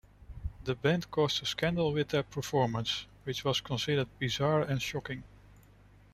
The band caused a scandal with their performance, which was considered bizarre and shocking.